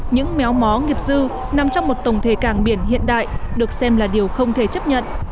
những méo mó nghiệp dư nằm trong một tổng thể càng biển hiện đại được xem là điều không thể chấp nhận